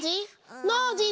ノージー？